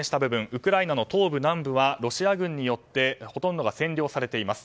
ウクライナの東部、南部はロシア軍によってほとんどが占領されています。